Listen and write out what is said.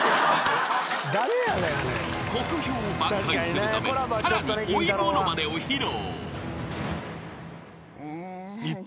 ［酷評を挽回するためさらに追いものまねを披露］